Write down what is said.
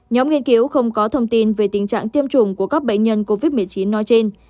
nhóm nghiên cứu không có thông tin về tình trạng tiêm chủng của các bệnh nhân covid một mươi chín nói trên